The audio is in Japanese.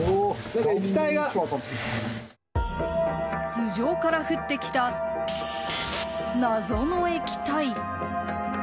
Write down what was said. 頭上から降ってきた謎の液体。